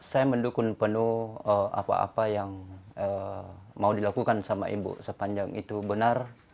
saya mendukung penuh apa apa yang mau dilakukan sama ibu sepanjang itu benar